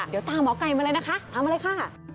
เดี๋ยวตามหมอไก่มาเลยนะคะตามมาเลยค่ะ